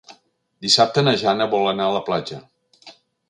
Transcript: Dissabte na Jana vol anar a la platja.